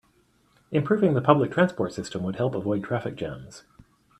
Improving the public transport system would help avoid traffic jams.